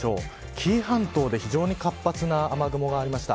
紀伊半島で非常に活発な雨雲がありました。